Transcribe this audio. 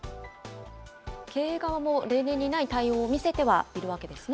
経営側も例年にない対応を見せてはいるわけですね。